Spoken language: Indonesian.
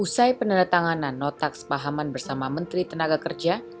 usai peneretanganan notaks pahaman bersama menteri tenaga kerja